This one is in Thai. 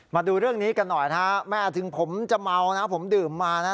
มาดูเรื่องนี้กันหน่อยนะฮะแม่ถึงผมจะเมานะผมดื่มมานะ